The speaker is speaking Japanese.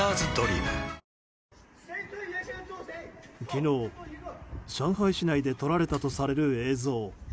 昨日、上海市内で撮られたとされる映像。